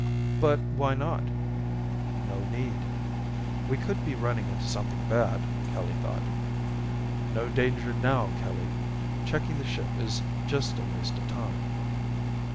"But why not?" "No need." "We could be running into something bad," Kelly thought. "No danger now, Kelly. Checking the ship is just a waste of time."